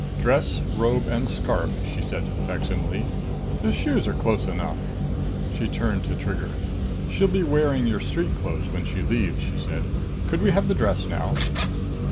"Dress, robe and scarf," she said to the facsimile. "The shoes are close enough." She turned to Trigger. "She'll be wearing your street clothes when she leaves," she said. "Could we have the dress now?"